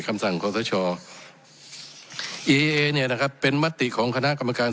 คำสั่งขอสชอีเอเนี่ยนะครับเป็นมติของคณะกรรมการ